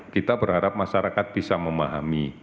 kita berharap masyarakat bisa mengingatkan kepada komunitasnya